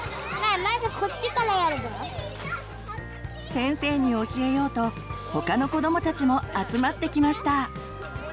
先生に教えようと他の子どもたちも集まってきました。